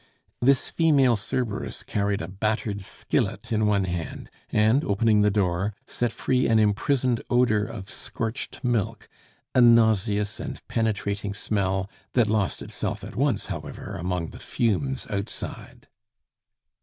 This female Cerberus carried a battered skillet in one hand, and opening the door, set free an imprisoned odor of scorched milk a nauseous and penetrating smell, that lost itself at once, however, among the fumes outside.